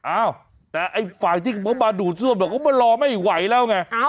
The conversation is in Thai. อ้าวแต่ไอ้ฝ่ายที่เขามาดูดซ่วมเขามารอไม่ไหวแล้วไง